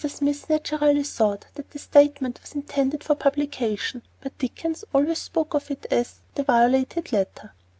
Smith naturally thought that the statement was intended for publication, but Dickens always spoke of it as "the violated letter."